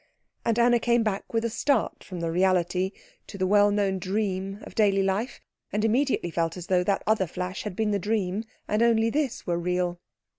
And Anna came back with a start from the reality to the well known dream of daily life, and immediately felt as though that other flash had been the dream and only this were real.